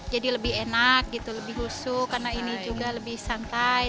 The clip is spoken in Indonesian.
jadi lebih enak lebih husu karena ini juga lebih santai